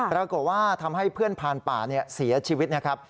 ปรากฏว่าทำให้เพื่อนพานป่าเสียชีวิตนะครับ